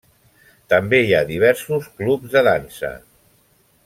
També hi ha diversos clubs de dansa.